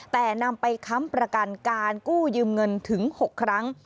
แต่นำไปค้ำประกันการกู้ยืมเงินถึง๖ครั้ง